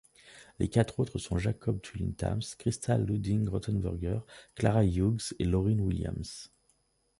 Les quatre autres sont Jacob Tullin Thams, Christa Luding-Rothenburger, Clara Hughes et Lauryn Williams.